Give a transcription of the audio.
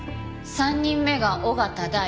３人目が緒方大。